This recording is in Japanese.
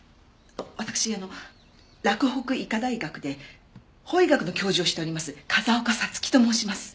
私あの洛北医科大学で法医学の教授をしております風丘早月と申します。